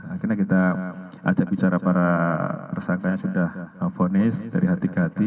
akhirnya kita ajak bicara para tersangkanya sudah vonis dari hati ke hati